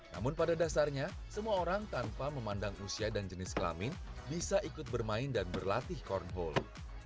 namun pada dasarnya semua orang tanpa memandang usia dan jenis kelamin bisa ikut bermain dan berlatih corn holo